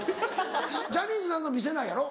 ジャニーズなんか見せないやろ？